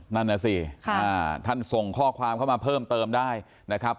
นั่นน่ะสิท่านส่งข้อความเข้ามาเพิ่มเติมได้นะครับ